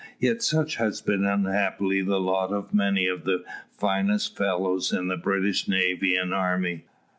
Yet such has been unhappily the lot of many of the finest fellows in the British navy and army.